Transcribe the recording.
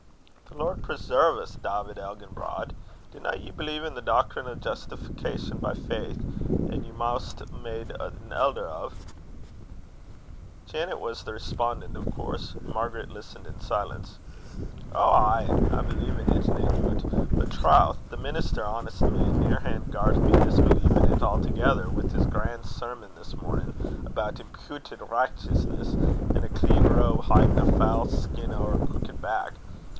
"The Lord preserve's, Dawvid Elginbrod! Dinna ye believe i' the doctrine o' Justification by Faith, an' you a'maist made an elder o'?" Janet was the respondent, of course, Margaret listening in silence. "Ou ay, I believe in't, nae doot; but, troth! the minister, honest man, near han' gart me disbelieve in't a'thegither wi' his gran' sermon this mornin', about imputit richteousness, an' a clean robe hidin' a foul skin or a crookit back.